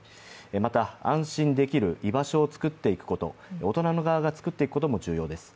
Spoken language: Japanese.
また安心できる居場所をつくっていくこと、大人の側が作っていくことも重要です。